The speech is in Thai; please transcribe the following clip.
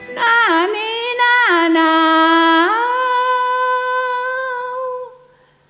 หน้านี้หน้าหนาว